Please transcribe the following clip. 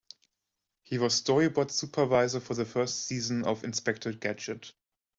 He was storyboard supervisor for the first season of "Inspector Gadget".